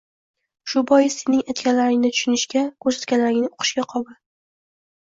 shu bois, sening aytganlaringni tushunishga, ko‘rsatganlaringni uqishga qobil.